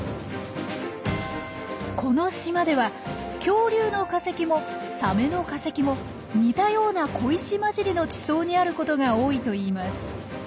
この島では恐竜の化石もサメの化石も似たような小石交じりの地層にあることが多いといいます。